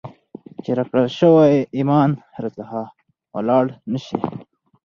چي راکړل سوئ ایمان را څخه ولاړ نسي ،